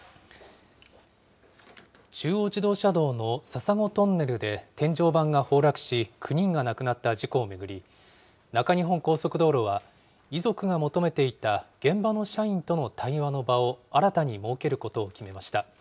中央自動車道の笹子トンネルで天井板が崩落し、９人が亡くなった事故を巡り、中日本高速道路は遺族が求めていた現場の社員との対話の場を新たに設けることを決めました。